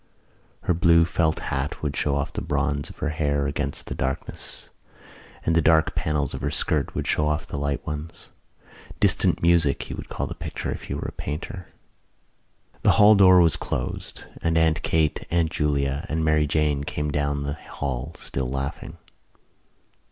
Her blue felt hat would show off the bronze of her hair against the darkness and the dark panels of her skirt would show off the light ones. Distant Music he would call the picture if he were a painter. The hall door was closed; and Aunt Kate, Aunt Julia and Mary Jane came down the hall, still laughing.